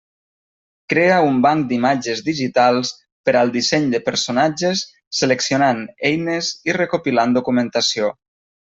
Crea un banc d'imatges digitals per al disseny de personatges seleccionant eines i recopilant documentació.